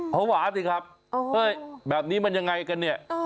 ภาวะสิครับเฮ้ยแบบนี้มันยังไงกันเนี่ย